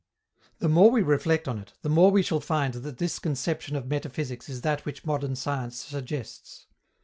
The more we reflect on it, the more we shall find that this conception of metaphysics is that which modern science suggests.